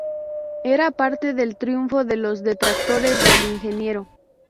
Era parte del triunfo de los detractores del ingeniero.